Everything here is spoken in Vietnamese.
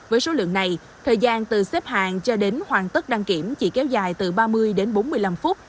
với số lượng này thời gian từ xếp hàng cho đến hoàn tất đăng kiểm chỉ kéo dài từ ba mươi đến bốn mươi năm phút